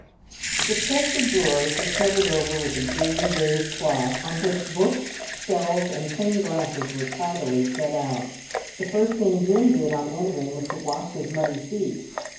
The chest of drawers was covered over with a green baize cloth, on which books, shells, and clean glasses were tidily set out. The first thing Jim did on entering was to wash his muddy feet.